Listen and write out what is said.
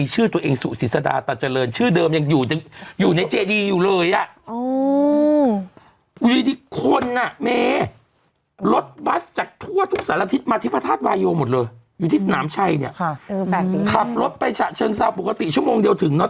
ฉันเสาปกติชมองเดียวถึงเนอะตอนเธอไปการสวบย่างฉันจะชมองเดียวถึง